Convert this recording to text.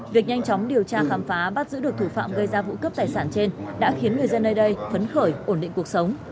việc nhanh chóng điều tra khám phá bắt giữ được thủ phạm gây ra vụ cướp tài sản trên đã khiến người dân nơi đây phấn khởi ổn định cuộc sống